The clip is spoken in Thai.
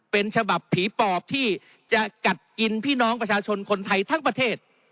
เป็นฉบับผีปอบที่จะกัดกินพี่น้องประชาชนคนไทยทั้งประเทศ